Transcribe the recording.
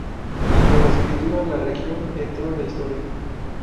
Y con la escritura la región entró en la Historia.